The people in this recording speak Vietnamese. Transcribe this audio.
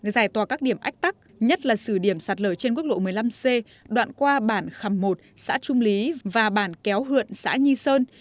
giải tỏa các điểm ách tắc nhất là xử điểm sạt lở trên quốc lộ một mươi năm c đoạn qua bản khầm một xã trung lý và bản kéo hượn xã nhi sơn